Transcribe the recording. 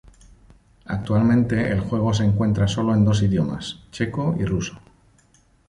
Actualmente el juego se encuentra solo en dos idiomas checo y ruso.